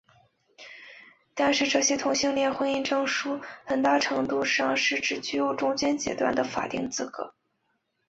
但是这些同性恋婚姻证书很大程度上是只具有中间阶段的法定资格。